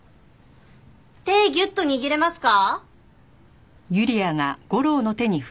手ギュッと握れますか？